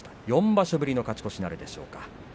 ４場所ぶりの勝ち越しなるでしょうか。